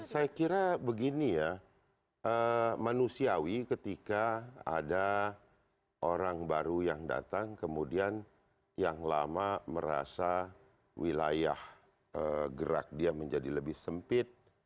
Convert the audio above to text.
saya kira begini ya manusiawi ketika ada orang baru yang datang kemudian yang lama merasa wilayah gerak dia menjadi lebih sempit